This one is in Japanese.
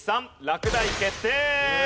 落第決定。